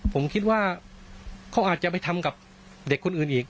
ผมคิดว่าเขาอาจจะไปทำกับเด็กคนอื่นอีก